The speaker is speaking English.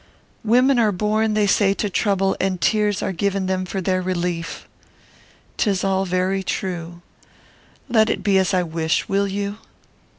Women are born, they say, to trouble, and tears are given them for their relief. 'Tis all very true. Let it be as I wish, will you?